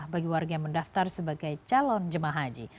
bagi warga yang mendaftar sebagai calon jemaah haji